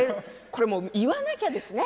これは言わなきゃですね